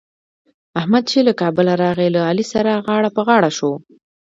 احمد چې له کابله راغی؛ له علي سره غاړه په غاړه شو.